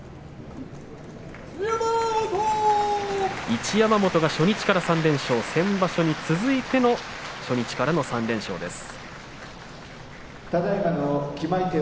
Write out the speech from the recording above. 一山本が初日から３連勝し先場所に続いての初日からの３連勝です。